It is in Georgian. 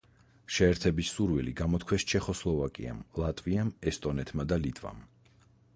შეერთების სურვილი გამოთქვეს ჩეხოსლოვაკიამ, ლატვიამ, ესტონეთმა და ლიტვამ.